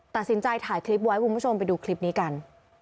ตัดสินใจถ่ายคลิปไว้คุณผู้ชมไปดูคลิปนี้กัน